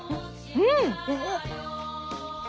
うん！